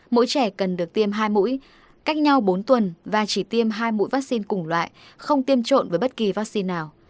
mỗi trẻ cần được tiêm hai mũi cách nhau bốn tuần và chỉ tiêm hai mũi vaccine cùng loại không tiêm trộn với bất kỳ vaccine nào